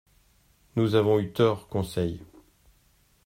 —Nous avons eu tort, Conseil.